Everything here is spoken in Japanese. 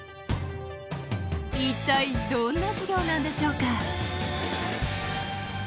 一体どんな授業なんでしょうか。